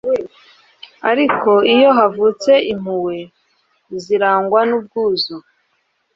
Ariko iyo havutse impuhwe zirangwa nubwuzu